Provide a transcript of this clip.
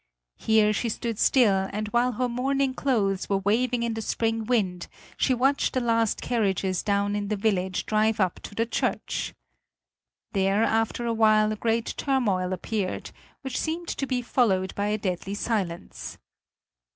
Here she stood still and while her mourning clothes were waving in the spring wind, she watched the last carriages down in the village drive up to the church. There after a while a great turmoil appeared, which seemed to be followed by a deadly silence.